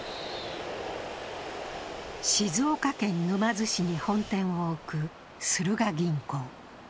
静岡県沼津市に本店を置くスルガ銀行。